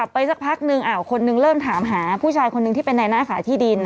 ไปสักพักนึงคนนึงเริ่มถามหาผู้ชายคนหนึ่งที่เป็นในหน้าขายที่ดิน